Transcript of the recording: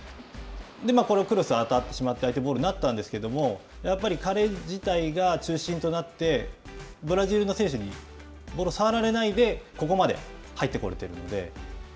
これをクロス、当たってしまって相手ボールになってしまったんですけど、やっぱり彼自体が中心となってブラジルの選手にボールをさわられないで、ここまで入ってこれているので。